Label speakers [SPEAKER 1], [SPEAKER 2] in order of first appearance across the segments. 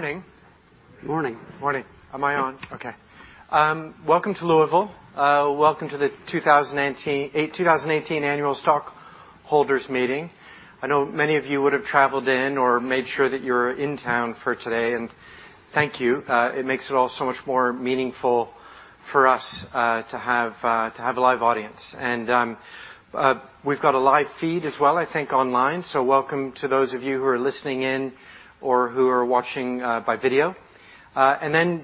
[SPEAKER 1] Morning.
[SPEAKER 2] Morning.
[SPEAKER 1] Morning. Am I on? Okay. Welcome to Louisville. Welcome to the 2018 annual stockholders meeting. I know many of you would have traveled in or made sure that you're in town for today. Thank you. It makes it all so much more meaningful for us to have a live audience. We've got a live feed as well, I think, online. Welcome to those of you who are listening in or who are watching by video.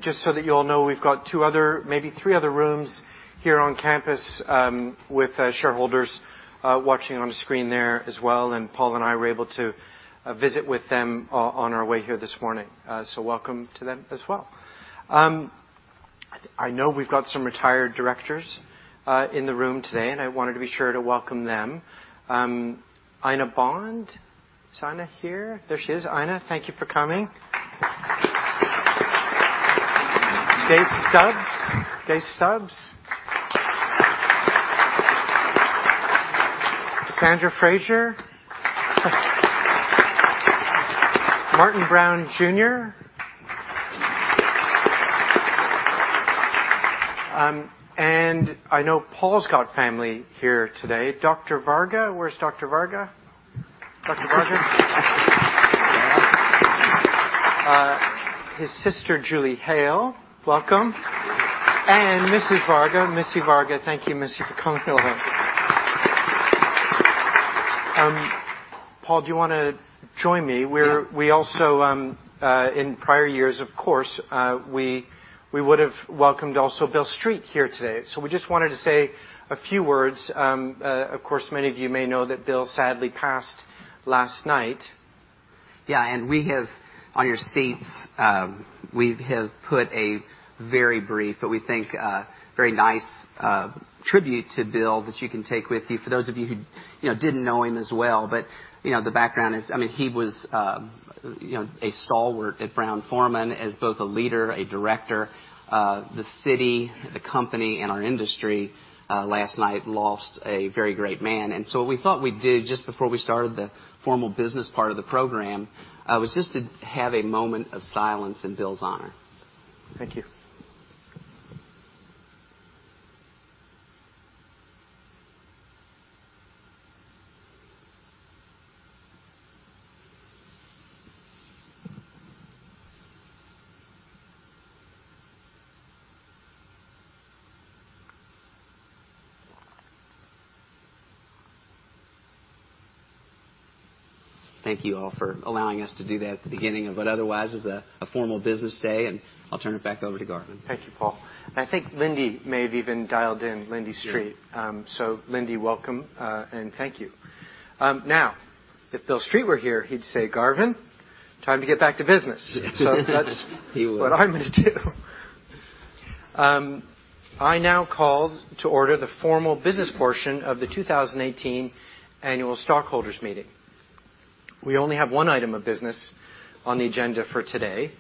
[SPEAKER 1] Just so that you all know, we've got two other, maybe three other rooms here on campus, with shareholders watching on a screen there as well, and Paul and I were able to visit with them on our way here this morning. Welcome to them as well. I know we've got some retired directors in the room today, and I wanted to be sure to welcome them. Ina Bond. Is Ina here? There she is. Ina, thank you for coming. Gay Stubbs. Sandra Frazier. Martin Brown Jr. I know Paul's got family here today. Dr. Varga. Where's Dr. Varga? Dr. Varga. His sister, Julie Hale, welcome. Mrs. Varga. Missy Varga, thank you, Missy, for coming over. Paul, do you want to join me?
[SPEAKER 2] Yeah.
[SPEAKER 1] We also, in prior years, of course, we would have welcomed also Bill Street here today. We just wanted to say a few words. Of course, many of you may know that Bill sadly passed last night.
[SPEAKER 2] We have, on your seats, we have put a very brief, but we think very nice, tribute to Bill that you can take with you, for those of you who didn't know him as well. The background is, he was a stalwart at Brown-Forman as both a leader, a director. The city, the company, and our industry last night lost a very great man. What we thought we'd do just before we started the formal business part of the program, was just to have a moment of silence in Bill's honor.
[SPEAKER 1] Thank you.
[SPEAKER 2] Thank you all for allowing us to do that at the beginning of what otherwise was a formal business day, I'll turn it back over to Garvin.
[SPEAKER 1] Thank you, Paul. I think Lindy may have even dialed in, Lindy Street.
[SPEAKER 2] Yeah.
[SPEAKER 1] Lindy, welcome, and thank you. Now, if Bill Street were here, he'd say, "Garvin, time to get back to business.
[SPEAKER 2] He would.
[SPEAKER 1] That's what I'm going to do. I now call to order the formal business portion of the 2018 annual stockholders meeting. We only have one item of business on the agenda for today: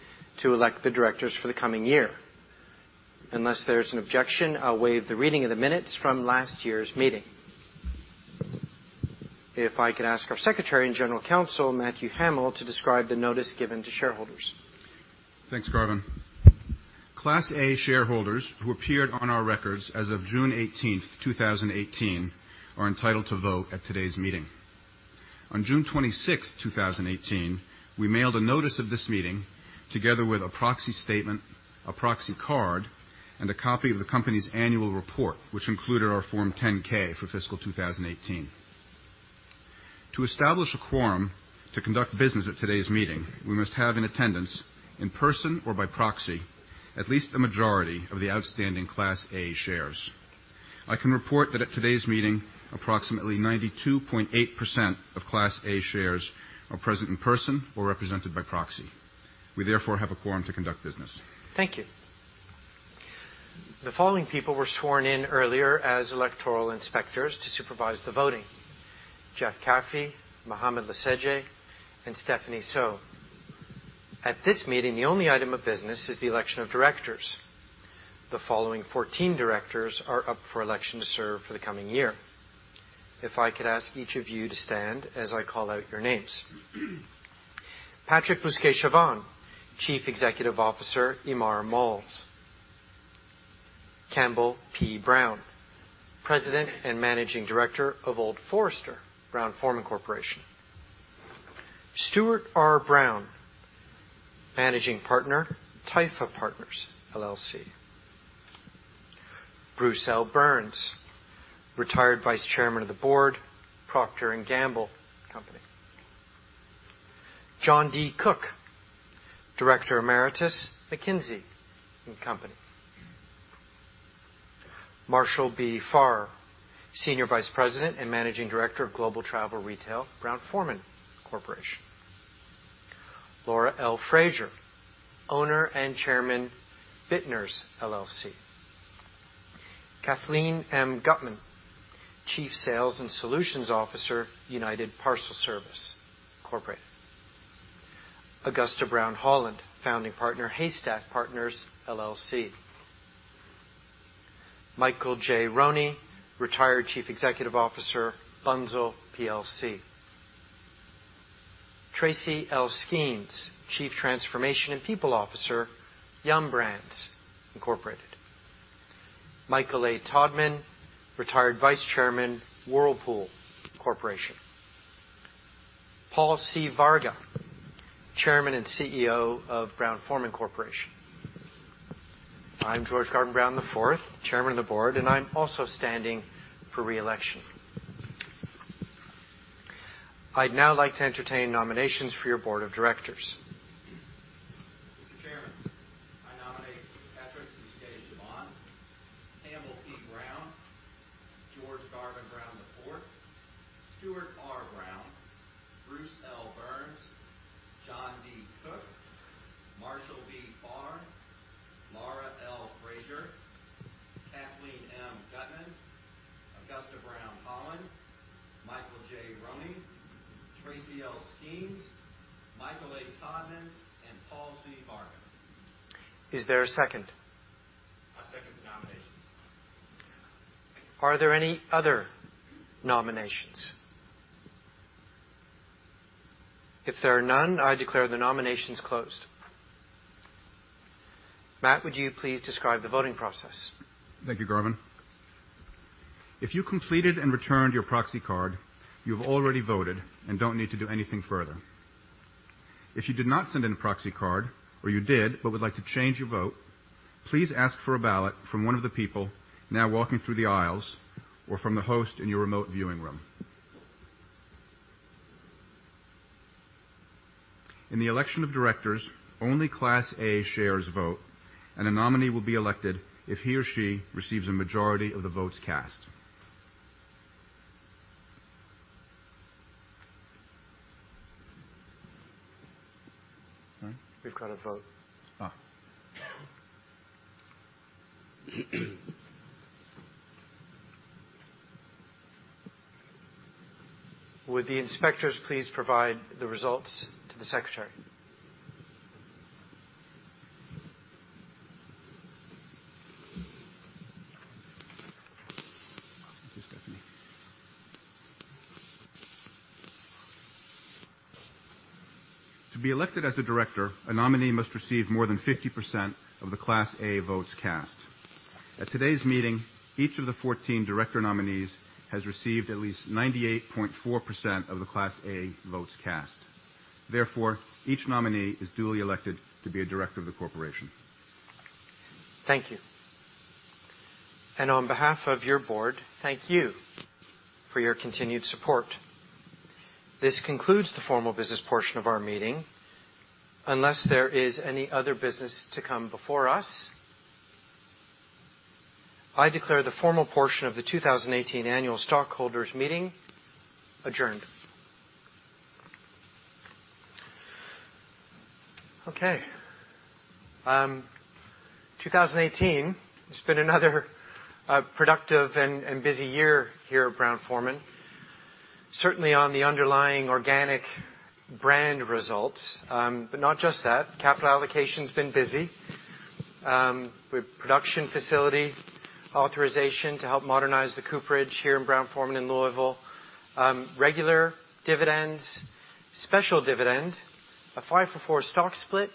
[SPEAKER 1] to elect the directors for the coming year. Unless there's an objection, I'll waive the reading of the minutes from last year's meeting. If I could ask our Secretary and General Counsel, Matthew Hamel, to describe the notice given to shareholders.
[SPEAKER 3] Thanks, Garvin. Class A shareholders who appeared on our records as of June 18th, 2018, are entitled to vote at today's meeting. On June 26th, 2018, we mailed a notice of this meeting together with a proxy statement, a proxy card, and a copy of the company's annual report, which included our Form 10-K for fiscal 2018. To establish a quorum to conduct business at today's meeting, we must have in attendance, in person or by proxy, at least the majority of the outstanding Class A shares. I can report that at today's meeting, approximately 92.8% of Class A shares are present in person or represented by proxy. We therefore have a quorum to conduct business.
[SPEAKER 1] Thank you. The following people were sworn in earlier as electoral inspectors to supervise the voting: Jeff Caffey, Mohammed Lasege, and Stephanie So. At this meeting, the only item of business is the election of directors. The following 14 directors are up for election to serve for the coming year. If I could ask each of you to stand as I call out your names. Patrick Bousquet-Chavanne, Chief Executive Officer, Emaar Malls. Campbell P. Brown, President and Managing Director of Old Forester, Brown-Forman Corporation. Stuart R. Brown, Managing Partner, Typha Partners LLC. Bruce L. Byrns, Retired Vice Chairman of the Board, Procter & Gamble Company. John D. Cook, Director Emeritus, McKinsey & Company. Marshall B. Farrer, Senior Vice President and Managing Director of Global Travel Retail, Brown-Forman Corporation. Laura L. Frazier, Owner and Chairman, Bittner's LLC. Kathleen M. Gutman, Chief Sales and Solutions Officer, United Parcel Service Corporate. Augusta Brown Holland, Founding Partner, Haystack Partners LLC. Michael J. Roney, retired Chief Executive Officer, Bunzl PLC. Tracy L. Skeans, Chief Transformation and People Officer, Yum! Brands, Inc. Michael A. Todman, retired Vice Chairman, Whirlpool Corporation. Paul C. Varga, Chairman and CEO of Brown-Forman Corporation. I'm George Garvin Brown IV, Chairman of the Board, and I'm also standing for re-election. I'd now like to entertain nominations for your board of directors.
[SPEAKER 4] Mr. Chairman, I nominate Patrick Bousquet-Chavanne, Campbell P. Brown, George Garvin Brown IV, Stuart R. Brown, Bruce L. Byrns, John D. Cook, Marshall B. Farrer, Laura L. Frazier, Kathleen M. Gutman, Augusta Brown Holland, Michael J. Roney, Tracy L. Skeans, Michael A. Todman, and Paul C. Varga.
[SPEAKER 1] Is there a second?
[SPEAKER 4] I second the nominations.
[SPEAKER 1] Are there any other nominations? If there are none, I declare the nominations closed. Matt, would you please describe the voting process?
[SPEAKER 3] Thank you, Garvin. If you completed and returned your proxy card, you've already voted and don't need to do anything further. If you did not send in a proxy card, or you did but would like to change your vote, please ask for a ballot from one of the people now walking through the aisles or from the host in your remote viewing room. In the election of directors, only Class A shares vote, and a nominee will be elected if he or she receives a majority of the votes cast.
[SPEAKER 1] We've got a vote. Would the inspectors please provide the results to the secretary? Thank you, Stephanie.
[SPEAKER 3] To be elected as a director, a nominee must receive more than 50% of the Class A votes cast. At today's meeting, each of the 14 director nominees has received at least 98.4% of the Class A votes cast. Therefore, each nominee is duly elected to be a director of the corporation.
[SPEAKER 1] Thank you. On behalf of your board, thank you for your continued support. This concludes the formal business portion of our meeting. Unless there is any other business to come before us, I declare the formal portion of the 2018 annual stockholders meeting adjourned. Okay. 2018 has been another productive and busy year here at Brown-Forman, certainly on the underlying organic brand results. Not just that, capital allocation has been busy with production facility authorization to help modernize the cooperage here in Brown-Forman in Louisville. Regular dividends, special dividend, a five-for-four stock split,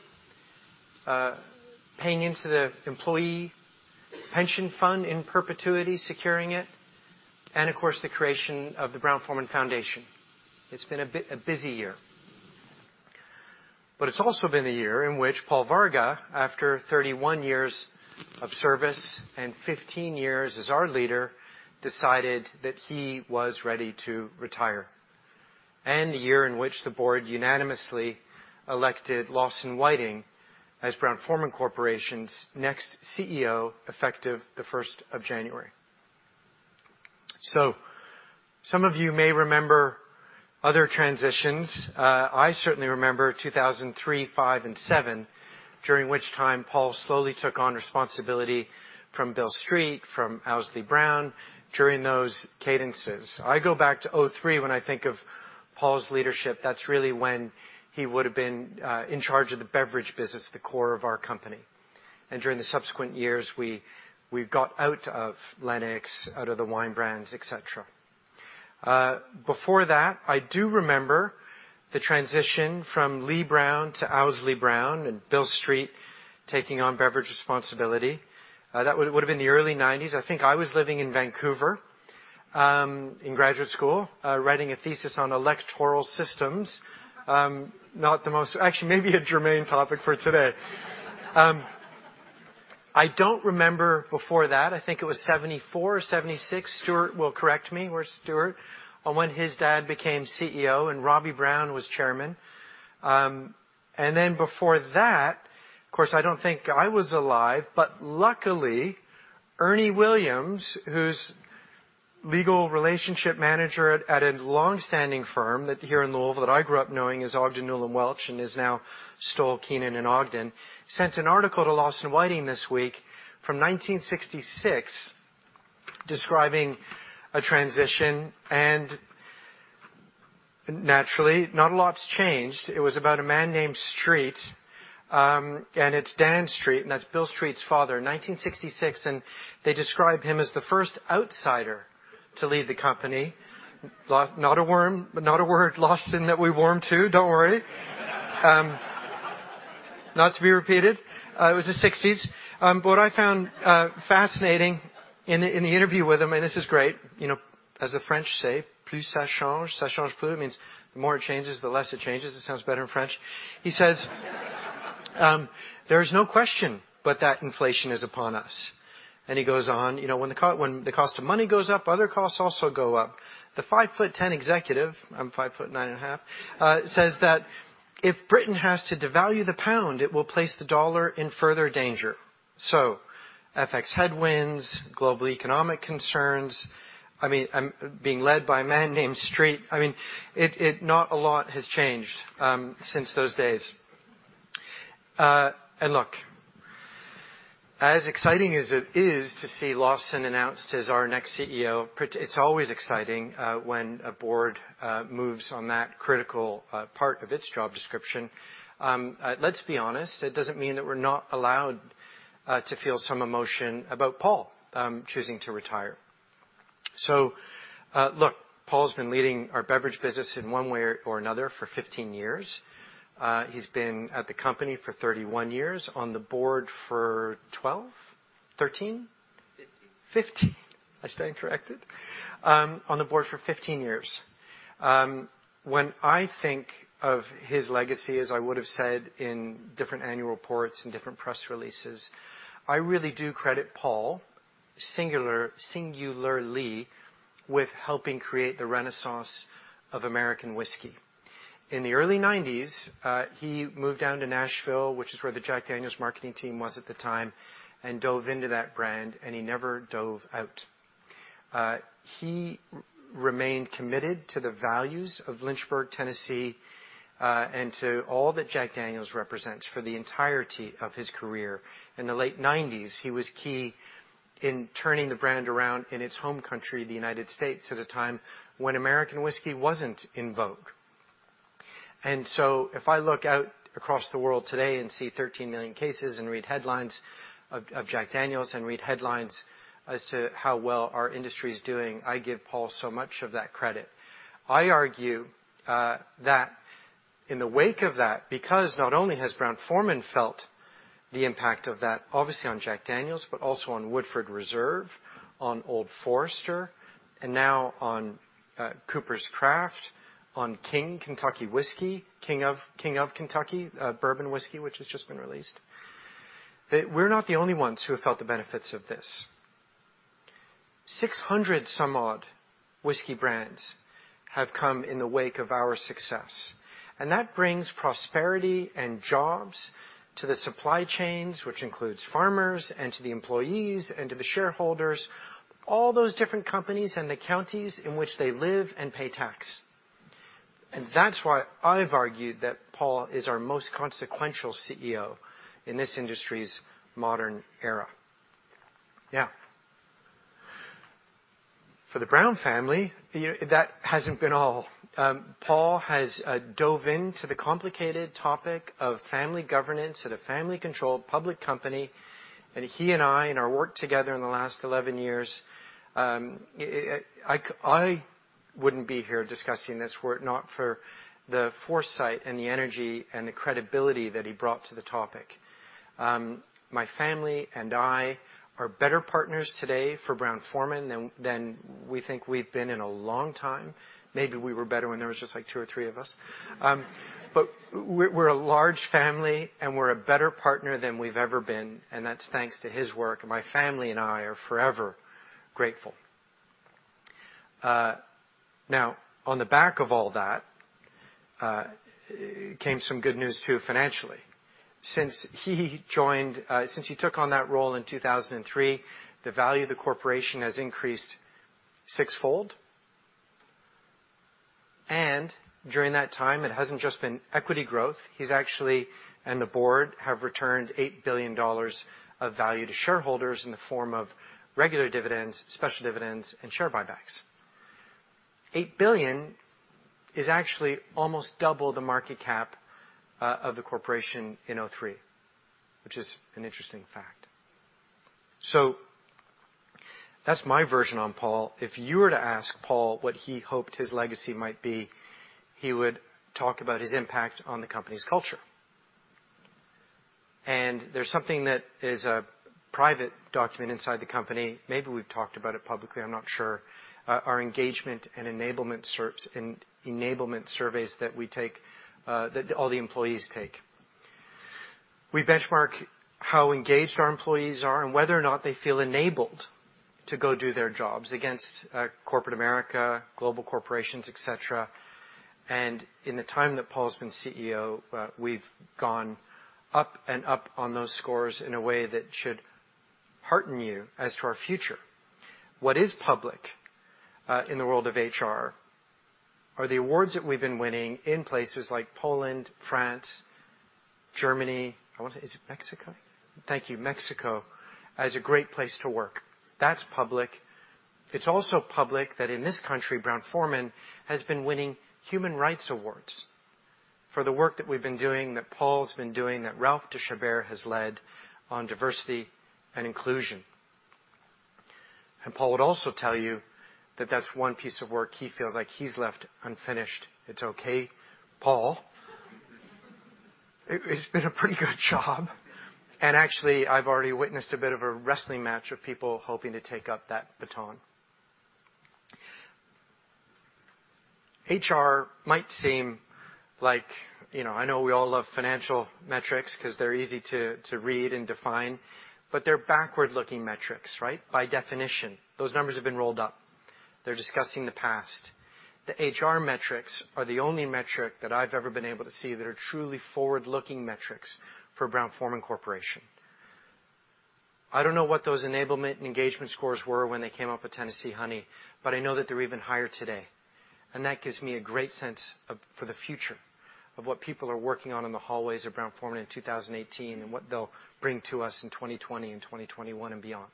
[SPEAKER 1] paying into the employee pension fund in perpetuity, securing it, and of course, the creation of the Brown-Forman Foundation. It has been a busy year. It has also been a year in which Paul Varga, after 31 years of service and 15 years as our leader, decided that he was ready to retire. The year in which the board unanimously elected Lawson Whiting as Brown-Forman Corporation's next CEO, effective the 1st of January. Some of you may remember other transitions. I certainly remember 2003, 2005, and 2007, during which time Paul slowly took on responsibility from Bill Street, from Owsley Brown during those cadences. I go back to 2003 when I think of Paul's leadership. That is really when he would have been in charge of the beverage business, the core of our company. During the subsequent years, we got out of Lenox, out of the wine brands, et cetera. Before that, I do remember the transition from Lee Brown to Owsley Brown, and Bill Street taking on beverage responsibility. That would have been the early 1990s. I think I was living in Vancouver in graduate school, writing a thesis on electoral systems. Not the most, actually maybe a germane topic for today. I do not remember before that, I think it was 1974 or 1976, Stuart R. Brown will correct me. Where is Stuart R. Brown? On when his dad became CEO, and Robbie Brown was chairman. Before that, of course, I do not think I was alive, but luckily, Ernie Williams, who is legal relationship manager at a longstanding firm here in Louisville that I grew up knowing as Ogden, Newell & Welch and is now Stoll Keenon Ogden, sent an article to Lawson Whiting this week from 1966 describing a transition. Naturally, not a lot has changed. It was about a man named Street, and it is Dan Street, and that is Bill Street's father. 1966, they describe him as the first outsider to lead the company. Not a word, Lawson, that we warm to. Do not worry. Not to be repeated. It was the 1960s. What I found fascinating in the interview with him, and this is great, as the French say, "Plus ça change, ça change plus." It means the more it changes, the less it changes. It sounds better in French. He says, "There is no question but that inflation is upon us." He goes on, "When the cost of money goes up, other costs also go up." The 5'10 executive, I'm 5'9 and a half, says that, "If Britain has to devalue the pound, it will place the dollar in further danger." FX headwinds, global economic concerns, I'm being led by a man named Street. Not a lot has changed since those days. Look, as exciting as it is to see Lawson announced as our next CEO, it's always exciting when a board moves on that critical part of its job description. Let's be honest, it doesn't mean that we're not allowed to feel some emotion about Paul choosing to retire. Look, Paul's been leading our beverage business in one way or another for 15 years. He's been at the company for 31 years, on the board for 12, 13?
[SPEAKER 2] 15.
[SPEAKER 1] 15. I stand corrected. On the board for 15 years. When I think of his legacy, as I would've said in different annual reports and different press releases, I really do credit Paul singularly with helping create the renaissance of American whiskey. In the early 1990s, he moved down to Nashville, which is where the Jack Daniel's marketing team was at the time, and dove into that brand, and he never dove out. He remained committed to the values of Lynchburg, Tennessee, and to all that Jack Daniel's represents for the entirety of his career. In the late 1990s, he was key in turning the brand around in its home country, the U.S., at a time when American whiskey wasn't in vogue. If I look out across the world today and see 13 million cases and read headlines of Jack Daniel's and read headlines as to how well our industry's doing, I give Paul so much of that credit. I argue that in the wake of that, because not only has Brown-Forman felt the impact of that, obviously on Jack Daniel's, but also on Woodford Reserve, on Old Forester, and now on Coopers' Craft, on King of Kentucky, King of Kentucky Bourbon Whiskey, which has just been released. That we're not the only ones who have felt the benefits of this. 600 some odd whiskey brands have come in the wake of our success, and that brings prosperity and jobs to the supply chains, which includes farmers, and to the employees, and to the shareholders, all those different companies, and the counties in which they live and pay tax. That's why I've argued that Paul is our most consequential CEO in this industry's modern era. Yeah. For the Brown family, that hasn't been all. Paul has dove into the complicated topic of family governance at a family-controlled public company, and he and I, in our work together in the last 11 years, I wouldn't be here discussing this were it not for the foresight and the energy and the credibility that he brought to the topic. My family and I are better partners today for Brown-Forman than we think we've been in a long time. Maybe we were better when there was just two or three of us. We're a large family, and we're a better partner than we've ever been, and that's thanks to his work, and my family and I are forever grateful. On the back of all that, came some good news too, financially. Since he took on that role in 2003, the value of the corporation has increased sixfold. During that time, it hasn't just been equity growth, he's actually, and the board, have returned $8 billion of value to shareholders in the form of regular dividends, special dividends, and share buybacks. $8 billion is actually almost double the market cap of the corporation in 2003, which is an interesting fact. That's my version on Paul. If you were to ask Paul what he hoped his legacy might be, he would talk about his impact on the company's culture. There's something that is a private document inside the company, maybe we've talked about it publicly, I'm not sure, our Engagement and Enablement Surveys that all the employees take. We benchmark how engaged our employees are and whether or not they feel enabled to go do their jobs against corporate America, global corporations, et cetera. In the time that Paul's been CEO, we've gone up and up on those scores in a way that should hearten you as to our future. What is public, in the world of HR, are the awards that we've been winning in places like Poland, France, Germany. I want to Is it Mexico? Thank you. Mexico as a great place to work. That's public. It's also public that in this country, Brown-Forman has been winning human rights awards for the work that we've been doing, that Paul's been doing, that Ralph de Chabert has led on diversity and inclusion. Paul would also tell you that that's one piece of work he feels like he's left unfinished. It's okay, Paul. It's been a pretty good job, and actually, I've already witnessed a bit of a wrestling match of people hoping to take up that baton. I know we all love financial metrics because they're easy to read and define, but they're backward-looking metrics, right? By definition. Those numbers have been rolled up. They're discussing the past. The HR metrics are the only metric that I've ever been able to see that are truly forward-looking metrics for Brown-Forman Corporation. I don't know what those Engagement and Enablement Scores were when they came up with Tennessee Honey, but I know that they're even higher today, and that gives me a great sense for the future of what people are working on in the hallways of Brown-Forman in 2018 and what they'll bring to us in 2020 and 2021 and beyond.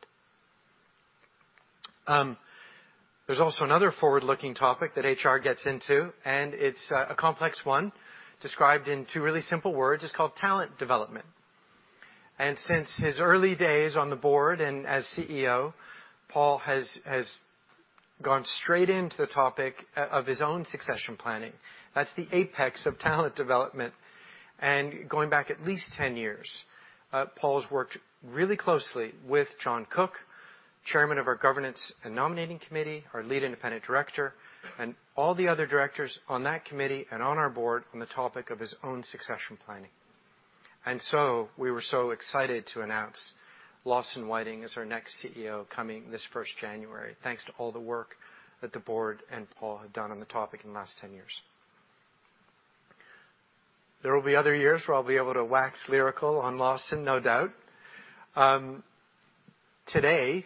[SPEAKER 1] There's also another forward-looking topic that HR gets into. It's a complex one described in two really simple words. It's called talent development. Since his early days on the board and as CEO, Paul has gone straight into the topic of his own succession planning. That's the apex of talent development. Going back at least 10 years, Paul's worked really closely with John Cook, chairman of our governance and nominating committee, our lead independent director, and all the other directors on that committee and on our board on the topic of his own succession planning. We were so excited to announce Lawson Whiting as our next CEO coming this 1st January. Thanks to all the work that the board and Paul have done on the topic in the last 10 years. There will be other years where I'll be able to wax lyrical on Lawson, no doubt. Today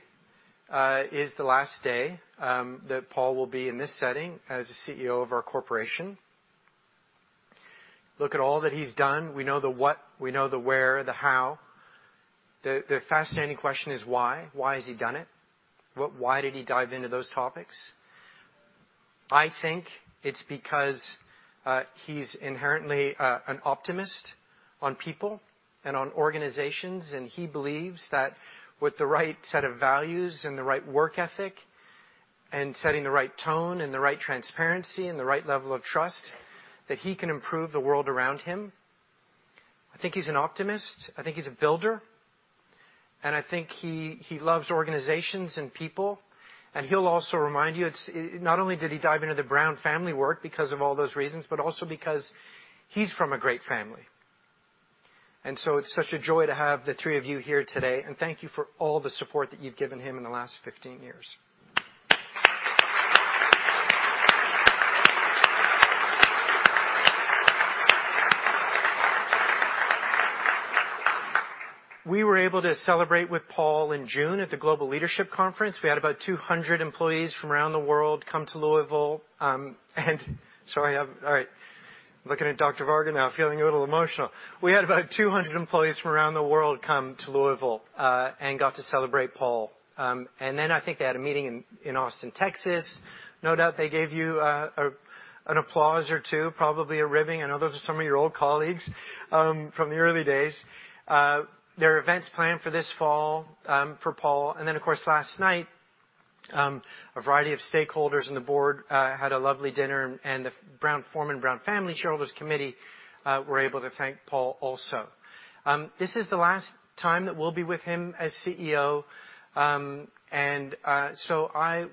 [SPEAKER 1] is the last day that Paul will be in this setting as a CEO of our corporation. Look at all that he's done. We know the what, we know the where, the how. The fascinating question is why. Why has he done it? Why did he dive into those topics? I think it's because he's inherently an optimist on people and on organizations, and he believes that with the right set of values and the right work ethic and setting the right tone and the right transparency and the right level of trust, that he can improve the world around him. I think he's an optimist, I think he's a builder, and I think he loves organizations and people. He'll also remind you, not only did he dive into the Brown family work because of all those reasons, but also because he's from a great family. It's such a joy to have the three of you here today, and thank you for all the support that you've given him in the last 15 years. We were able to celebrate with Paul in June at the Global Leadership Conference. We had about 200 employees from around the world come to Louisville. Sorry, I'm looking at Dr. Varga now, feeling a little emotional. We had about 200 employees from around the world come to Louisville, got to celebrate Paul. I think they had a meeting in Austin, Texas. No doubt they gave you an applause or two, probably a ribbing. I know those are some of your old colleagues from the early days. There are events planned for this fall for Paul. Of course, last night, a variety of stakeholders on the board had a lovely dinner, and the Brown-Forman/Brown Family Shareholders Committee were able to thank Paul also. This is the last time that we'll be with him as CEO. I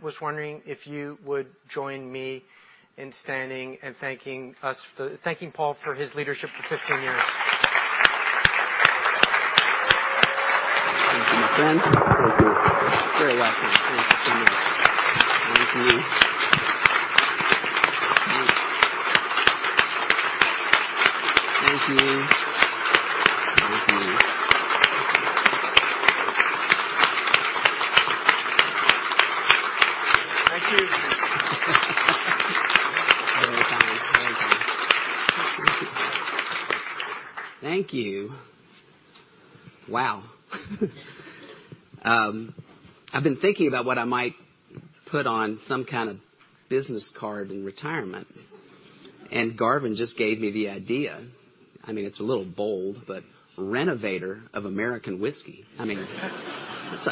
[SPEAKER 1] was wondering if you would join me in standing and thanking Paul for his leadership for 15 years. Thank you, my friend.
[SPEAKER 2] Thank you.
[SPEAKER 1] You're welcome. Thank you. Thank you. Thank you. Thank you. Thank you.
[SPEAKER 2] Thank you.
[SPEAKER 1] Very kind. Thank you.
[SPEAKER 2] Thank you. Wow. I've been thinking about what I might put on some kind of business card in retirement, and Garvin just gave me the idea. It's a little bold, but Renovator of American Whiskey. I mean It's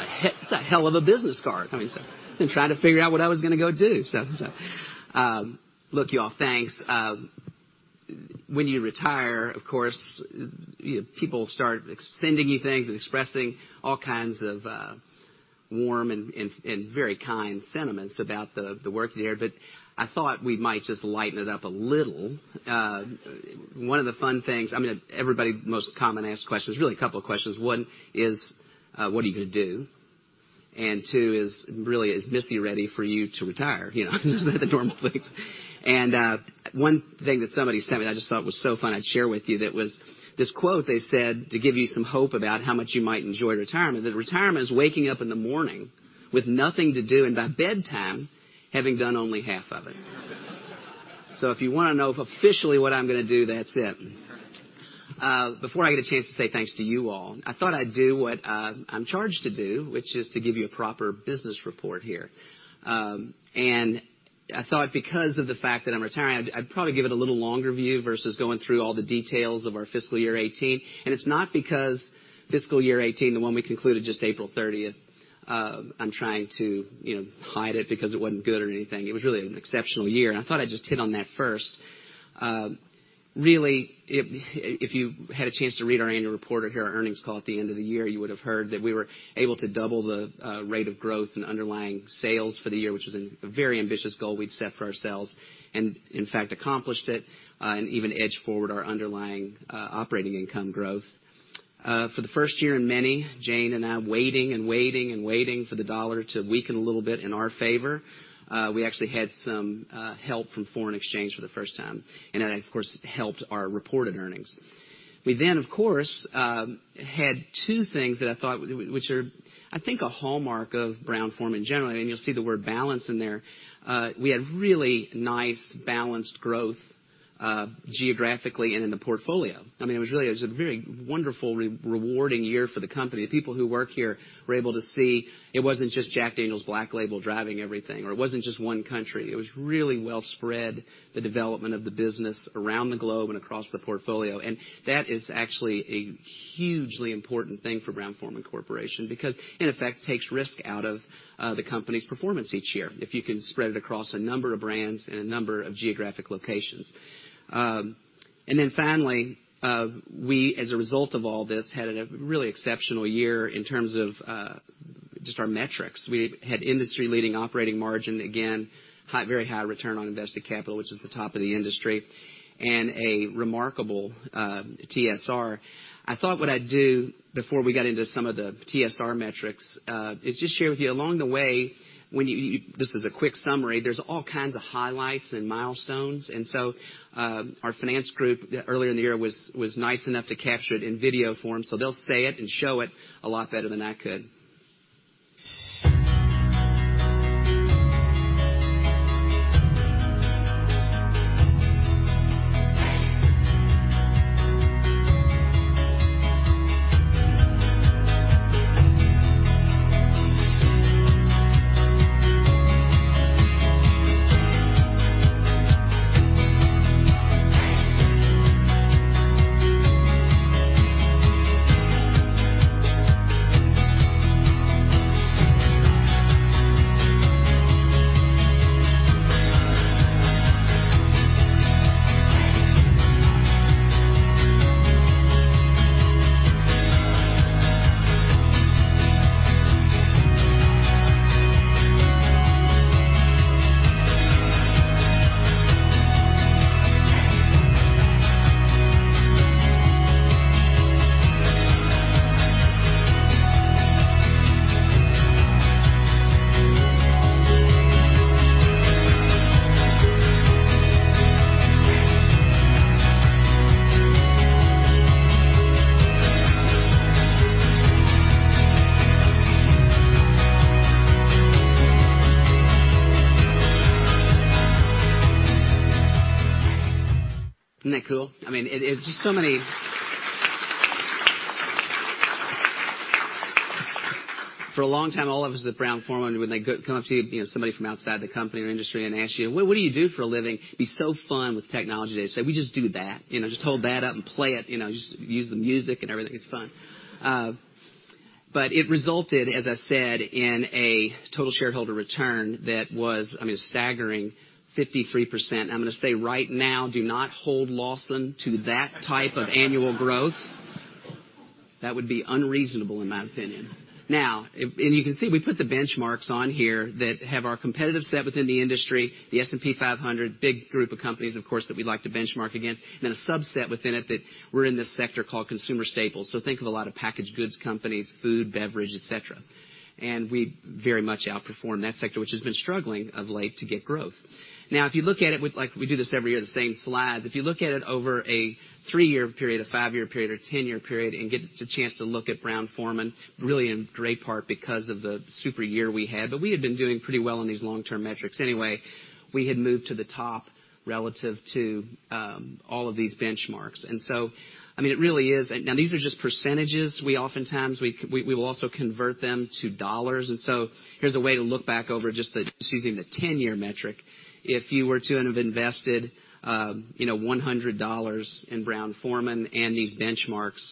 [SPEAKER 2] a hell of a business card. I've been trying to figure out what I was going to go do. Look, you all, thanks. When you retire, of course, people start sending you things and expressing all kinds of warm and very kind sentiments about the work there, but I thought we might just lighten it up a little. One of the fun things, everybody, most common asked questions, really a couple of questions. One is, what are you going to do? Two is, really, is Missy ready for you to retire? Those are the normal things. One thing that somebody sent me that I just thought was so fun, I'd share with you that was this quote they said to give you some hope about how much you might enjoy retirement.
[SPEAKER 1] That retirement is waking up in the morning with nothing to do, and by bedtime, having done only half of it.
[SPEAKER 2] If you want to know officially what I'm going to do, that's it. Before I get a chance to say thanks to you all, I thought I'd do what I'm charged to do, which is to give you a proper business report here. I thought because of the fact that I'm retiring, I'd probably give it a little longer view versus going through all the details of our fiscal year 2018. It's not because fiscal year 2018, the one we concluded just April 30th, I'm trying to hide it because it wasn't good or anything. It was really an exceptional year, and I thought I'd just hit on that first. Really, if you had a chance to read our annual report or hear our earnings call at the end of the year, you would have heard that we were able to double the rate of growth in underlying sales for the year, which was a very ambitious goal we'd set for ourselves, and in fact, accomplished it, and even edged forward our underlying operating income growth. For the first year in many, Jane and I waiting and waiting and waiting for the dollar to weaken a little bit in our favor. We actually had some help from foreign exchange for the first time, and that, of course, helped our reported earnings. We, of course, had two things that I thought, which are, I think, a hallmark of Brown-Forman in general, and you'll see the word balance in there. We had really nice balanced growth geographically and in the portfolio. It was a very wonderful, rewarding year for the company. The people who work here were able to see it wasn't just Jack Daniel's Black Label driving everything, or it wasn't just one country. It was really well spread, the development of the business around the globe and across the portfolio. That is actually a hugely important thing for Brown-Forman Corporation, because it, in fact, takes risk out of the company's performance each year if you can spread it across a number of brands and a number of geographic locations. Finally, we, as a result of all this, had a really exceptional year in terms of just our metrics. We had industry-leading operating margin, again, very high return on invested capital, which is the top of the industry, and a remarkable TSR. I thought what I'd do before we got into some of the TSR metrics is just share with you along the way, this is a quick summary. There's all kinds of highlights and milestones, so our finance group earlier in the year was nice enough to capture it in video form, so they'll say it and show it a lot better than I could. Isn't that cool. For a long time, all of us at Brown-Forman, when they come up to you, somebody from outside the company or industry and ask you, "Well, what do you do for a living?" It'd be so fun with technology. They say, "We just do that." Just hold that up and play it, just use the music and everything. It's fun. It resulted, as I said, in a total shareholder return that was, a staggering 53%. I'm going to say right now, do not hold Lawson to that type of annual growth. That would be unreasonable in my opinion. You can see, we put the benchmarks on here that have our competitive set within the industry, the S&P 500, big group of companies, of course, that we like to benchmark against, then a subset within it that we're in this sector called consumer staples. Think of a lot of packaged goods companies, food, beverage, et cetera. We very much outperform that sector, which has been struggling of late to get growth. Now, if you look at it, we do this every year, the same slides. If you look at it over a three-year period, a five-year period, or a 10-year period and get a chance to look at Brown-Forman, really in great part because of the super year we had. We had been doing pretty well on these long-term metrics anyway. We had moved to the top relative to all of these benchmarks. These are just percentages. Oftentimes, we will also convert them to $. Here's a way to look back over just using the 10-year metric. If you were to have invested $100 in Brown-Forman and these benchmarks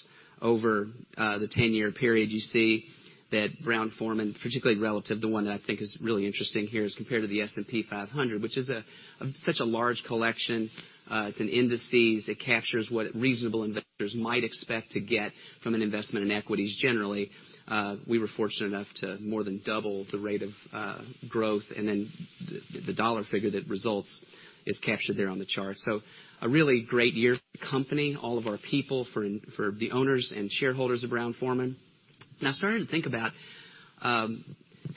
[SPEAKER 2] over the 10-year period, you see that Brown-Forman, particularly relative to one that I think is really interesting here is compared to the S&P 500, which is such a large collection. It's an index. It captures what reasonable investors might expect to get from an investment in equities. Generally, we were fortunate enough to more than double the rate of growth, and then the $ figure that results is captured there on the chart. A really great year for the company, all of our people, for the owners and shareholders of Brown-Forman.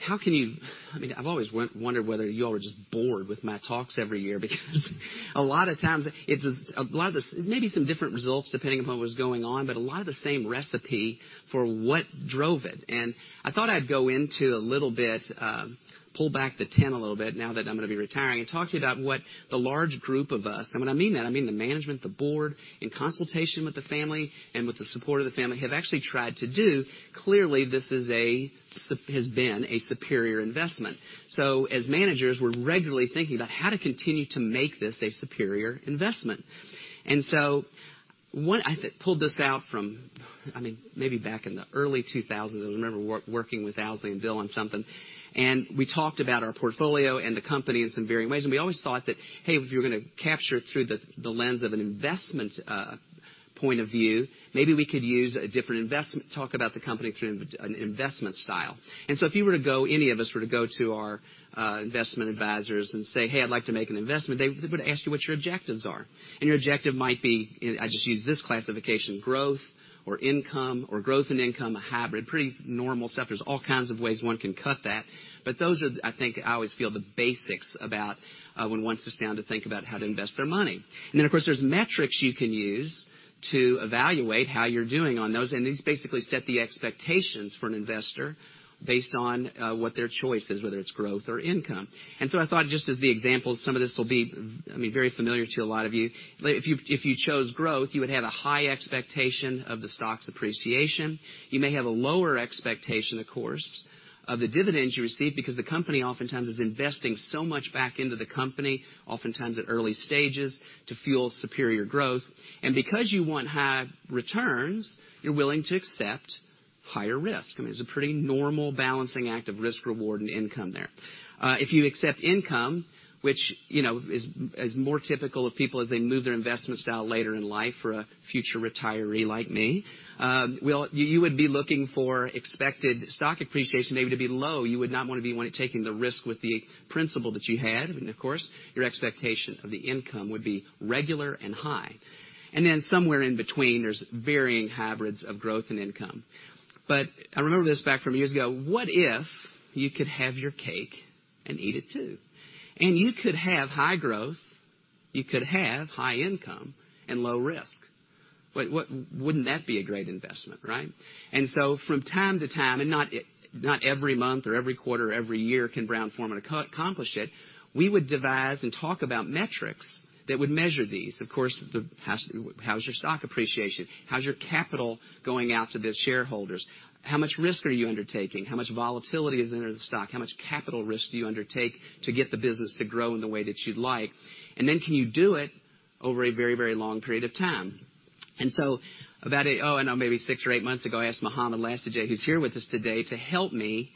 [SPEAKER 2] I've always wondered whether you all are just bored with my talks every year, because a lot of times, maybe some different results depending upon what was going on, but a lot of the same recipe for what drove it. I thought I'd go into a little bit, pull back the tent a little bit now that I'm going to be retiring and talk to you about what the large group of us, and when I mean that, I mean the management, the board, in consultation with the family and with the support of the family, have actually tried to do. Clearly, this has been a superior investment. As managers, we're regularly thinking about how to continue to make this a superior investment. I pulled this out from maybe back in the early 2000s, I remember working with Owsley and Bill on something. We talked about our portfolio and the company in some varying ways. We always thought that, hey, if you're going to capture through the lens of an investment point of view, maybe we could use a different investment, talk about the company through an investment style. If any of us were to go to our investment advisors and say, "Hey, I'd like to make an investment," they would ask you what your objectives are. Your objective might be, I just use this classification, growth or income, or growth and income, a hybrid. Pretty normal stuff. There's all kinds of ways one can cut that. Those are, I think, I always feel the basics about when one sits down to think about how to invest their money. Then, of course, there's metrics you can use to evaluate how you're doing on those. These basically set the expectations for an investor based on what their choice is, whether it's growth or income. I thought, just as the example, some of this will be very familiar to a lot of you. If you chose growth, you would have a high expectation of the stock's appreciation. You may have a lower expectation, of course, of the dividends you receive because the company oftentimes is investing so much back into the company, oftentimes at early stages, to fuel superior growth. Because you want high returns, you're willing to accept higher risk. It's a pretty normal balancing act of risk, reward, and income there. If you accept income, which is more typical of people as they move their investment style later in life or a future retiree like me, you would be looking for expected stock appreciation maybe to be low. You would not want to be taking the risk with the principal that you had. Of course, your expectation of the income would be regular and high. Then somewhere in between, there's varying hybrids of growth and income. I remember this back from years ago. What if you could have your cake and eat it, too? You could have high growth, you could have high income, and low risk. Wouldn't that be a great investment, right? From time to time, and not every month or every quarter or every year can Brown-Forman accomplish it, we would devise and talk about metrics that would measure these. Of course, how's your stock appreciation? How's your capital going out to the shareholders? How much risk are you undertaking? How much volatility is in the stock? How much capital risk do you undertake to get the business to grow in the way that you'd like? Then can you do it over a very long period of time? About, oh, I don't know, maybe six or eight months ago, I asked Mohammed Lasege, who's here with us today, to help me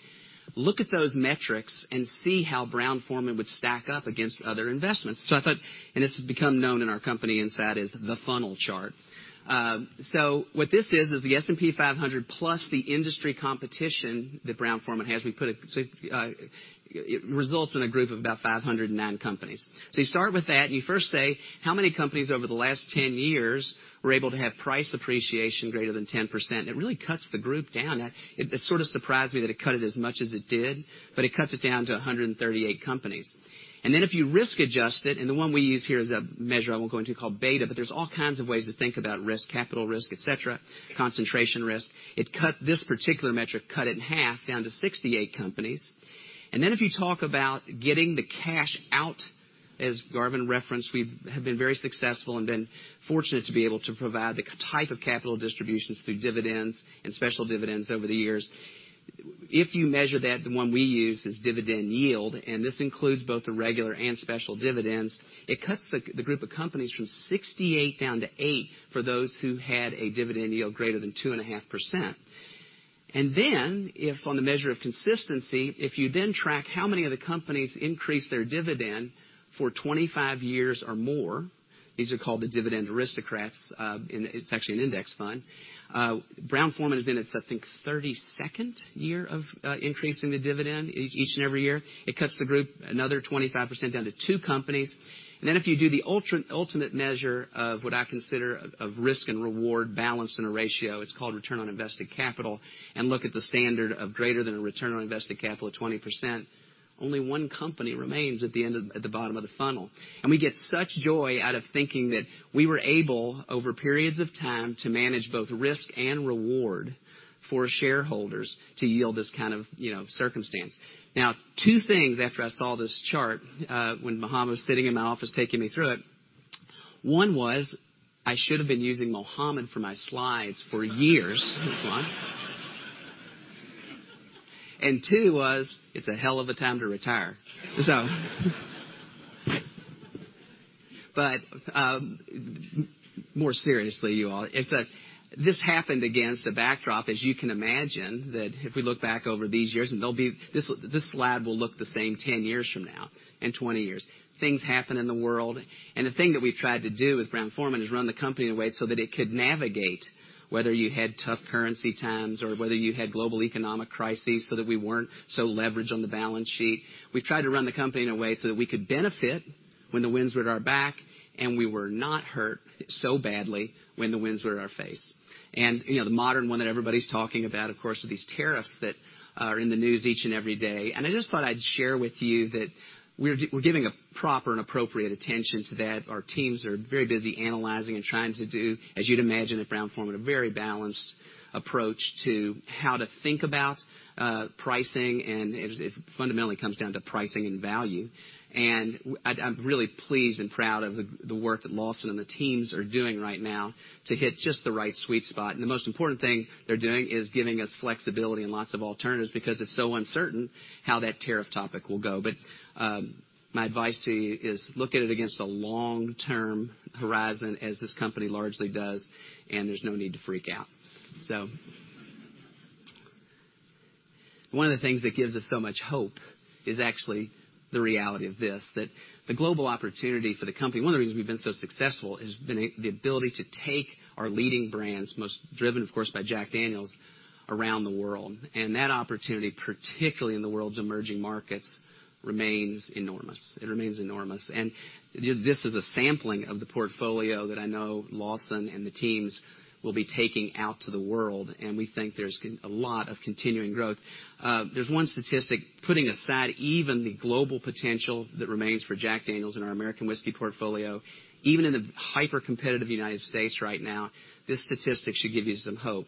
[SPEAKER 2] look at those metrics and see how Brown-Forman would stack up against other investments. I thought, and this has become known in our company inside as the funnel chart. What this is the S&P 500 plus the industry competition that Brown-Forman has. It results in a group of about 509 companies. You start with that, you first say, how many companies over the last 10 years were able to have price appreciation greater than 10%? It really cuts the group down. It sort of surprised me that it cut it as much as it did, but it cuts it down to 138 companies. Then if you risk adjust it, and the one we use here is a measure I won't go into called beta, but there's all kinds of ways to think about risk, capital risk, et cetera, concentration risk. This particular metric cut it in half down to 68 companies. Then if you talk about getting the cash out, as Garvin referenced, we have been very successful and been fortunate to be able to provide the type of capital distributions through dividends and special dividends over the years. If you measure that, the one we use is dividend yield, and this includes both the regular and special dividends. It cuts the group of companies from 68 down to eight for those who had a dividend yield greater than 2.5%. Then if on the measure of consistency, if you then track how many of the companies increased their dividend for 25 years or more, these are called the Dividend Aristocrats, and it's actually an index fund. Brown-Forman is in its, I think, 32nd year of increasing the dividend each and every year. It cuts the group another 25% down to two companies. If you do the ultimate measure of what I consider of risk and reward balance in a ratio, it's called return on invested capital, and look at the standard of greater than a return on invested capital of 20%, only one company remains at the bottom of the funnel. We get such joy out of thinking that we were able, over periods of time, to manage both risk and reward for shareholders to yield this kind of circumstance. Now, two things after I saw this chart, when Mohammed was sitting in my office taking me through it. One was, I should have been using Mohammed for my slides for years is one. Two was, it's a hell of a time to retire. More seriously, you all, this happened against a backdrop, as you can imagine, that if we look back over these years, and this slide will look the same 10 years from now and 20 years. Things happen in the world. The thing that we've tried to do with Brown-Forman is run the company in a way so that it could navigate whether you had tough currency times or whether you had global economic crises so that we weren't so leveraged on the balance sheet. We've tried to run the company in a way so that we could benefit when the winds were at our back, and we were not hurt so badly when the winds were at our face. The modern one that everybody's talking about, of course, are these tariffs that are in the news each and every day. I just thought I'd share with you that we're giving a proper and appropriate attention to that. Our teams are very busy analyzing and trying to do, as you'd imagine, at Brown-Forman, a very balanced approach to how to think about pricing. It fundamentally comes down to pricing and value. I'm really pleased and proud of the work that Lawson and the teams are doing right now to hit just the right sweet spot. The most important thing they're doing is giving us flexibility and lots of alternatives because it's so uncertain how that tariff topic will go. My advice to you is look at it against a long-term horizon, as this company largely does, and there's no need to freak out. One of the things that gives us so much hope is actually the reality of this, that the global opportunity for the company, one of the reasons we've been so successful is the ability to take our leading brands, most driven, of course, by Jack Daniel's, around the world. That opportunity, particularly in the world's emerging markets, remains enormous. It remains enormous. This is a sampling of the portfolio that I know Lawson and the teams will be taking out to the world, and we think there's a lot of continuing growth. There's one statistic, putting aside even the global potential that remains for Jack Daniel's and our American Whiskey portfolio, even in the hyper-competitive U.S. right now, this statistic should give you some hope.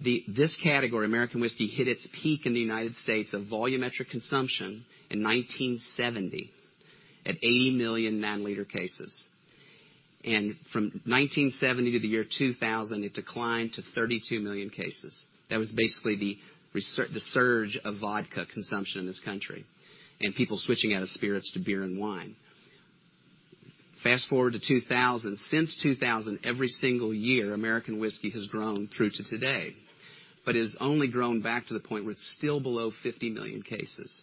[SPEAKER 2] This category, American Whiskey, hit its peak in the U.S. of volumetric consumption in 1970 at 80 million nine-liter cases. From 1970 to the year 2000, it declined to 32 million cases. That was basically the surge of vodka consumption in this country and people switching out of spirits to beer and wine. Fast-forward to 2000, since 2000, every single year, American Whiskey has grown through to today. It has only grown back to the point where it's still below 50 million cases.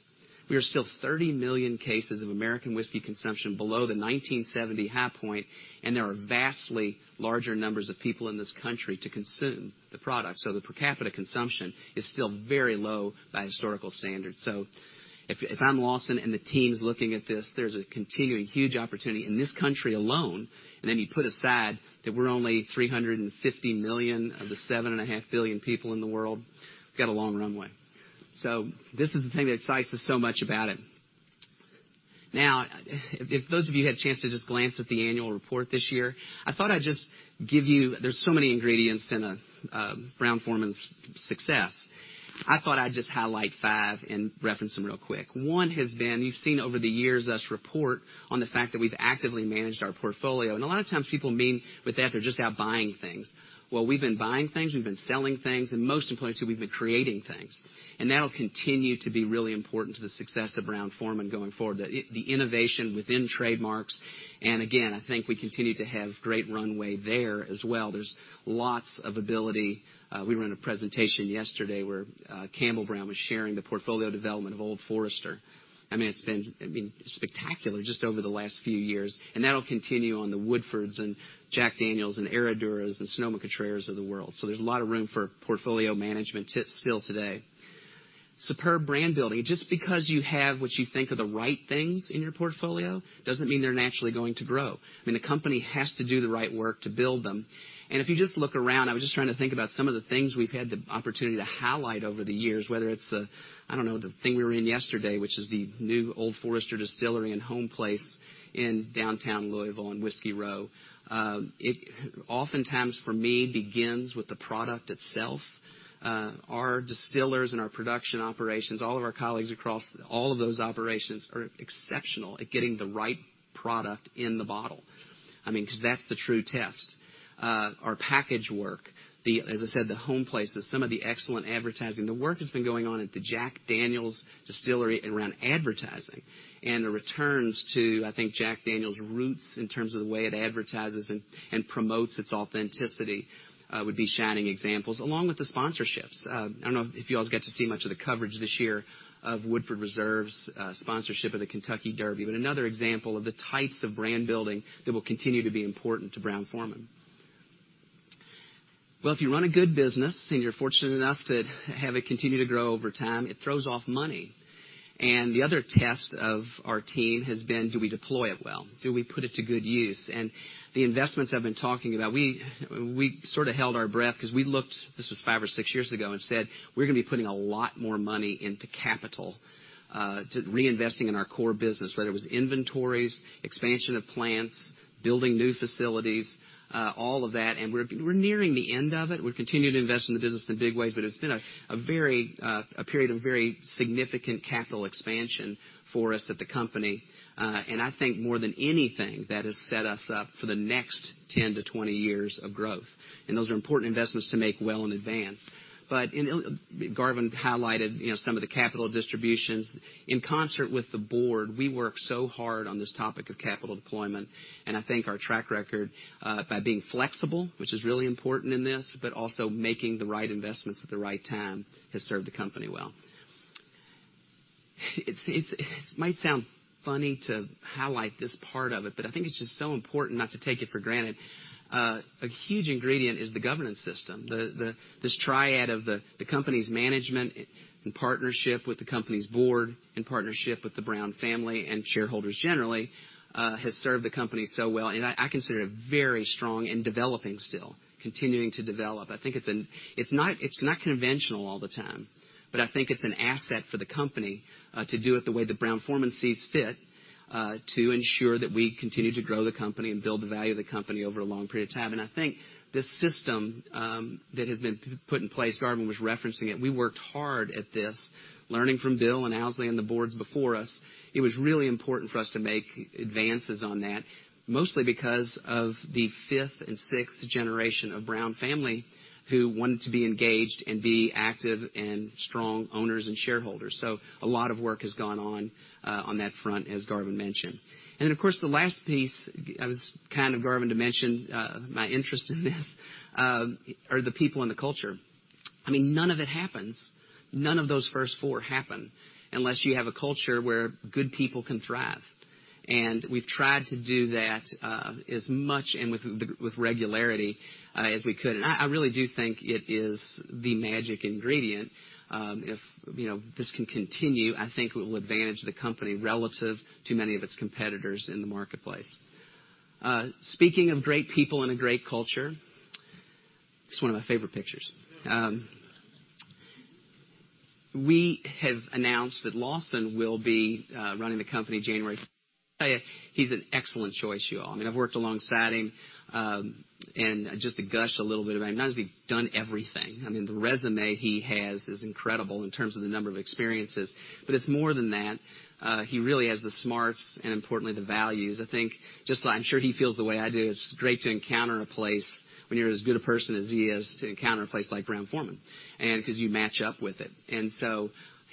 [SPEAKER 2] We are still 30 million cases of American Whiskey consumption below the 1970 high point, and there are vastly larger numbers of people in this country to consume the product. The per capita consumption is still very low by historical standards. If I'm Lawson and the team's looking at this, there's a continuing huge opportunity in this country alone, and then you put aside that we're only 350 million of the seven and a half billion people in the world, we've got a long runway. This is the thing that excites us so much about it. If those of you had a chance to just glance at the annual report this year, I thought I'd just give you, there's so many ingredients in Brown-Forman's success. I thought I'd just highlight five and reference them real quick. One has been, you've seen over the years us report on the fact that we've actively managed our portfolio. A lot of times people mean, with that, they're just out buying things. Well, we've been buying things, we've been selling things, and most importantly, too, we've been creating things. That'll continue to be really important to the success of Brown-Forman going forward, the innovation within trademarks. Again, I think we continue to have great runway there as well. There's lots of ability. We were in a presentation yesterday where Campbell Brown was sharing the portfolio development of Old Forester. It's been spectacular just over the last few years, and that'll continue on the Woodfords and Jack Daniel's and Herraduras and Sonoma-Cutrers of the world. There's a lot of room for portfolio management still today. Superb brand building. Just because you have what you think are the right things in your portfolio doesn't mean they're naturally going to grow. The company has to do the right work to build them. If you just look around, I was just trying to think about some of the things we've had the opportunity to highlight over the years, whether it's the, I don't know, the thing we were in yesterday, which is the new Old Forester Distillery and homeplace in downtown Louisville in Whiskey Row. It oftentimes, for me, begins with the product itself. Our distillers and our production operations, all of our colleagues across all of those operations are exceptional at getting the right product in the bottle because that's the true test. Our package work, as I said, the homeplaces, some of the excellent advertising, the work that's been going on at the Jack Daniel's distillery around advertising and the returns to, I think, Jack Daniel's roots in terms of the way it advertises and promotes its authenticity would be shining examples, along with the sponsorships. I don't know if you all get to see much of the coverage this year of Woodford Reserve's sponsorship of the Kentucky Derby, but another example of the types of brand building that will continue to be important to Brown-Forman. If you run a good business and you're fortunate enough to have it continue to grow over time, it throws off money. The other test of our team has been, do we deploy it well? Do we put it to good use? The investments I've been talking about, we sort of held our breath because we looked, this was five or six years ago, and said, we're going to be putting a lot more money into capital, to reinvesting in our core business, whether it was inventories, expansion of plants, building new facilities, all of that, and we're nearing the end of it. We continue to invest in the business in big ways, but it's been a period of very significant capital expansion for us at the company. I think more than anything, that has set us up for the next 10 to 20 years of growth. Those are important investments to make well in advance. Garvin highlighted some of the capital distributions. In concert with the board, we work so hard on this topic of capital deployment, and I think our track record by being flexible, which is really important in this, but also making the right investments at the right time, has served the company well. It might sound funny to highlight this part of it, but I think it's just so important not to take it for granted. A huge ingredient is the governance system. This triad of the company's management in partnership with the company's board, in partnership with the Brown-Forman family and shareholders generally, has served the company so well, and I consider it very strong and developing still, continuing to develop. I think it's not conventional all the time, but I think it's an asset for the company to do it the way that Brown-Forman sees fit, to ensure that we continue to grow the company and build the value of the company over a long period of time. I think this system that has been put in place, Garvin was referencing it. We worked hard at this, learning from Bill and Owsley and the boards before us. It was really important for us to make advances on that, mostly because of the fifth and sixth generation of Brown-Forman family, who wanted to be engaged and be active and strong owners and shareholders. A lot of work has gone on that front, as Garvin mentioned. Of course, the last piece, Garvin did mention my interest in this are the people and the culture. None of it happens, none of those first four happen, unless you have a culture where good people can thrive. We've tried to do that as much and with regularity as we could. I really do think it is the magic ingredient. If this can continue, I think it will advantage the company relative to many of its competitors in the marketplace. Speaking of great people and a great culture, this is one of my favorite pictures. We have announced that Lawson will be running the company January. He's an excellent choice, you all. I've worked alongside him. Just to gush a little bit about him, not has he done everything. The resume he has is incredible in terms of the number of experiences, it's more than that. He really has the smarts and importantly, the values. I'm sure he feels the way I do. It's great to encounter a place when you're as good a person as he is, to encounter a place like Brown-Forman, because you match up with it.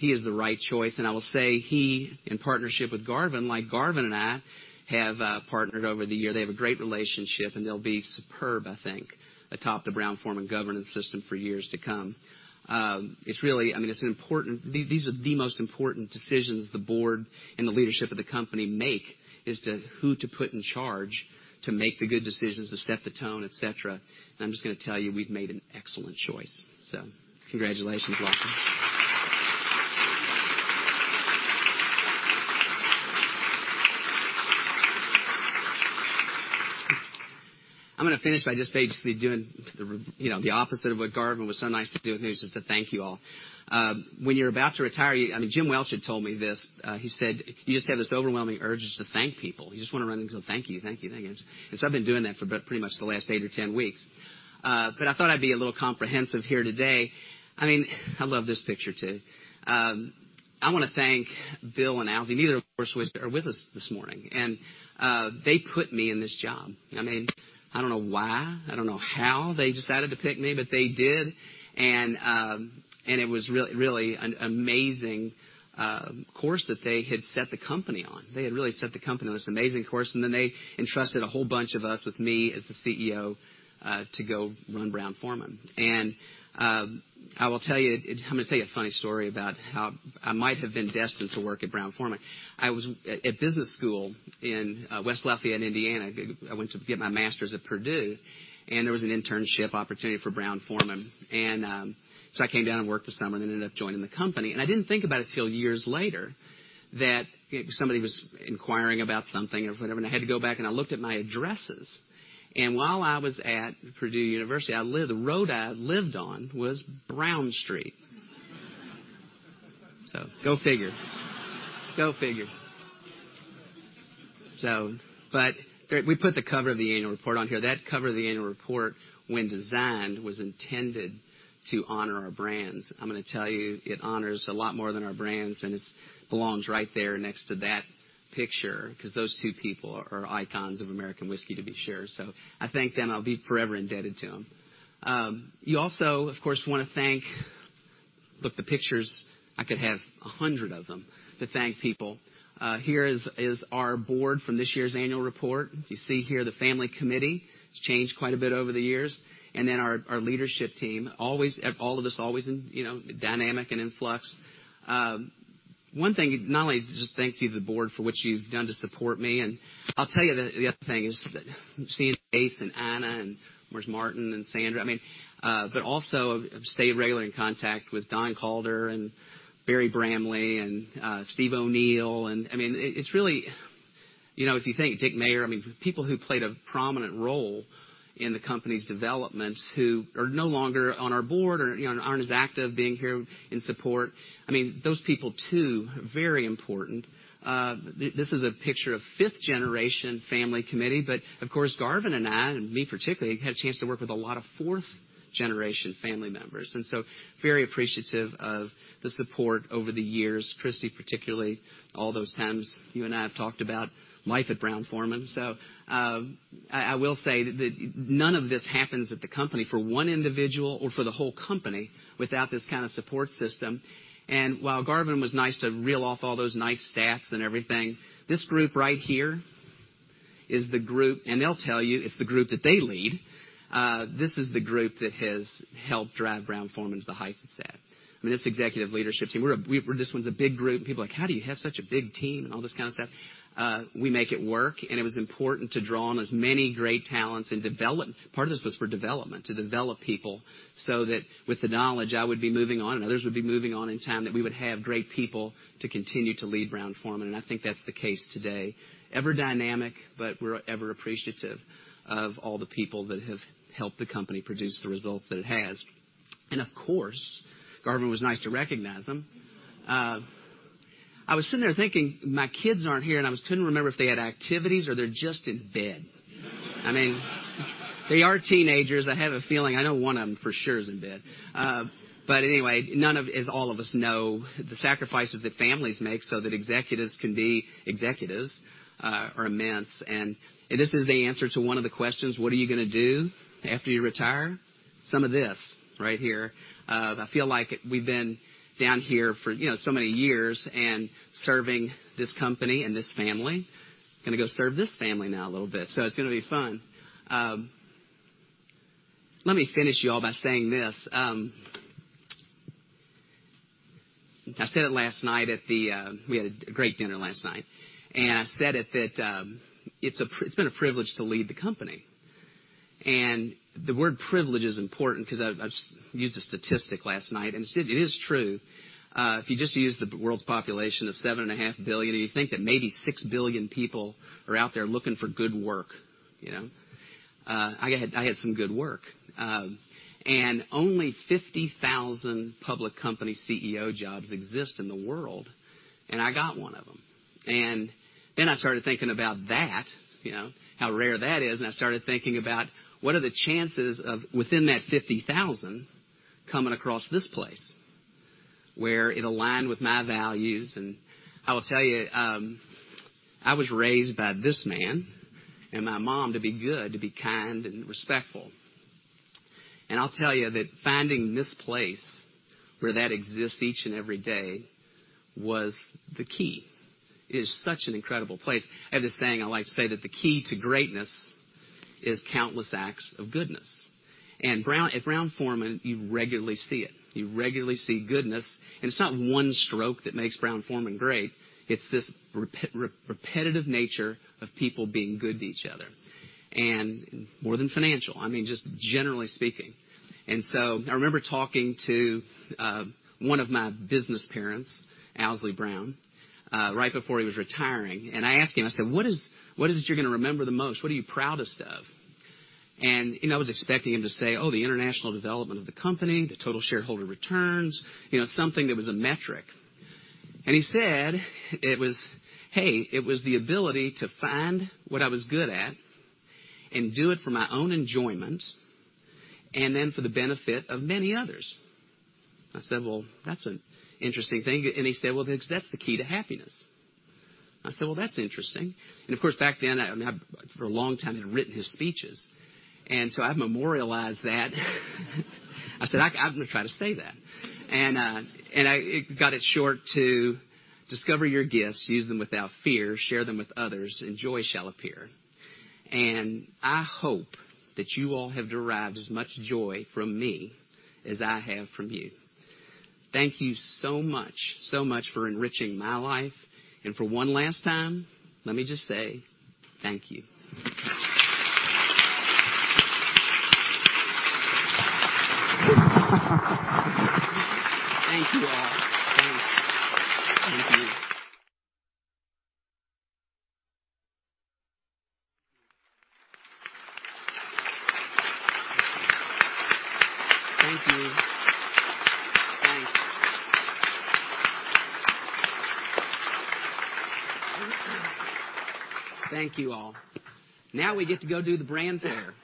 [SPEAKER 2] He is the right choice, I will say he, in partnership with Garvin, like Garvin and I have partnered over the year. They have a great relationship, they'll be superb, I think, atop the Brown-Forman governance system for years to come. These are the most important decisions the board and the leadership of the company make is to who to put in charge to make the good decisions, to set the tone, et cetera. I'm just going to tell you, we've made an excellent choice. Congratulations, Lawson. I'm going to finish by just basically doing the opposite of what Garvin was so nice to do, here's just to thank you all. When you're about to retire, Jim Welch had told me this. He said, "You just have this overwhelming urge just to thank people." You just want to run and go, "Thank you, thank you, thank you." I've been doing that for pretty much the last eight or 10 weeks. I thought I'd be a little comprehensive here today. I love this picture, too. I want to thank Bill and Owsley. Neither, of course, are with us this morning. They put me in this job. I don't know why, I don't know how they decided to pick me, they did. It was really an amazing course that they had set the company on. They had really set the company on this amazing course, they entrusted a whole bunch of us, with me as the CEO, to go run Brown-Forman. I'm going to tell you a funny story about how I might have been destined to work at Brown-Forman. I was at business school in West Lafayette, Indiana. I went to get my master's at Purdue, there was an internship opportunity for Brown-Forman. I came down and worked for the summer, ended up joining the company. I didn't think about it till years later that somebody was inquiring about something or whatever, I had to go back, I looked at my addresses. While I was at Purdue University, the road I lived on was Brown Street. Go figure. We put the cover of the annual report on here. That cover of the annual report, when designed, was intended to honor our brands. I'm going to tell you, it honors a lot more than our brands, it belongs right there next to that picture because those two people are icons of American whiskey, to be sure. I thank them. I'll be forever indebted to them. You also, of course, want to thank. Look, the pictures, I could have 100 of them to thank people. Here is our board from this year's annual report. You see here the family committee. It's changed quite a bit over the years. Our leadership team, all of us always in dynamic and in flux. One thing, not only just thank you to the board for what you've done to support me, I'll tell you the other thing is that seeing Chase and Anna, and where's Martin and Sandra. Also have stayed regularly in contact with Don Calder and Barry Bramley and Steve O'Neill. It's really, if you think, Dick Mayer, people who played a prominent role in the company's development who are no longer on our board or aren't as active being here in support. Those people, too, are very important. This is a picture of fifth-generation family committee, of course, Garvin and I, and me particularly, had a chance to work with a lot of fourth-generation family members, very appreciative of the support over the years. Christie, particularly, all those times you and I have talked about life at Brown-Forman. I will say that none of this happens at the company for one individual or for the whole company without this kind of support system. While Garvin was nice to reel off all those nice stats and everything, this group right here is the group, and they'll tell you it's the group that they lead. This is the group that has helped drive Brown-Forman to the heights it's at. I mean, this executive leadership team, this one's a big group. People are like, "How do you have such a big team?" all this kind of stuff. We make it work. It was important to draw on as many great talents and develop. Part of this was for development, to develop people so that with the knowledge I would be moving on and others would be moving on in time, that we would have great people to continue to lead Brown-Forman, I think that's the case today. Ever dynamic, we're ever appreciative of all the people that have helped the company produce the results that it has. Of course, Garvin was nice to recognize them. I was sitting there thinking, my kids aren't here, I was trying to remember if they had activities or they're just in bed. I mean, they are teenagers. I have a feeling I know one of them for sure is in bed. Anyway, as all of us know, the sacrifices that families make so that executives can be executives are immense. This is the answer to one of the questions: What are you going to do after you retire? Some of this right here. I feel like we've been down here for so many years and serving this company and this family. Going to go serve this family now a little bit. It's going to be fun. Let me finish you all by saying this. I said it last night at the. We had a great dinner last night, I said it that it's been a privilege to lead the company. The word privilege is important because I used a statistic last night, it is true. If you just use the world's population of seven and a half billion, you think that maybe 6 billion people are out there looking for good work. I had some good work. Only 50,000 public company CEO jobs exist in the world, I got one of them. Then I started thinking about that, how rare that is, I started thinking about what are the chances of, within that 50,000, coming across this place where it aligned with my values. I will tell you, I was raised by this man and my mom to be good, to be kind and respectful. I'll tell you that finding this place where that exists each and every day was the key. It is such an incredible place. I have this saying, I like to say that the key to greatness is countless acts of goodness. At Brown-Forman, you regularly see it. You regularly see goodness. It's not one stroke that makes Brown-Forman great. It's this repetitive nature of people being good to each other. More than financial, I mean, just generally speaking. I remember talking to one of my business parents, Owsley Brown, right before he was retiring, I asked him, I said, "What is it you're going to remember the most? What are you proudest of?" I was expecting him to say, "Oh, the international development of the company, the total shareholder returns," something that was a metric. He said it was, "Hey, it was the ability to find what I was good at and do it for my own enjoyment and then for the benefit of many others." I said, "Well, that's an interesting thing." He said, "Well, because that's the key to happiness." I said, "Well, that's interesting." Of course, back then, I mean, for a long time, he had written his speeches. I memorialized that. I said, "I'm going to try to say that." I got it short to, "Discover your gifts, use them without fear, share them with others, and joy shall appear." I hope that you all have derived as much joy from me as I have from you. Thank you so much, so much for enriching my life. For one last time, let me just say thank you. Thank you all. Thanks. Thank you. Thank you. Thanks. Thank you all. Now we get to go do the brand fair.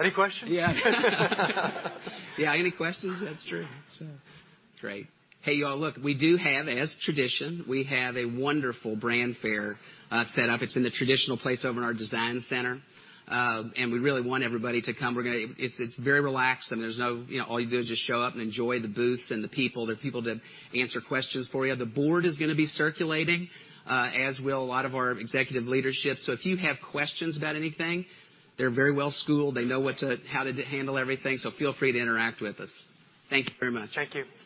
[SPEAKER 1] Any questions?
[SPEAKER 2] Yeah, any questions? That's true. That's great. Hey, you all. Look, we do have, as tradition, we have a wonderful brand fair set up. It's in the traditional place over in our design center. We really want everybody to come. It's very relaxed. I mean, all you do is just show up and enjoy the booths and the people. There are people to answer questions for you. The board is going to be circulating, as will a lot of our executive leadership. If you have questions about anything, they're very well-schooled. They know how to handle everything. Feel free to interact with us. Thank you very much.
[SPEAKER 1] Thank you.